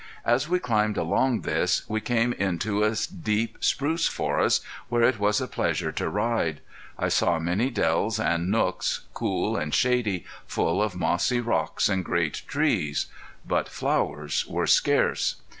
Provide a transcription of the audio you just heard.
As we climbed along this we came into deep spruce forest, where it was pleasure to ride. I saw many dells and nooks, cool and shady, full of mossy rocks and great trees. But flowers were scarce.